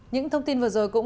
những thông tin vừa rồi